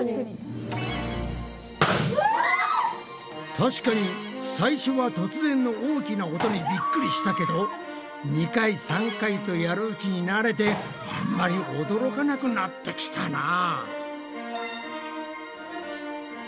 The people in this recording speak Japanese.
たしかに最初は突然の大きな音にびっくりしたけど２回３回とやるうちに慣れてあんまり驚かなくなってきたなぁ。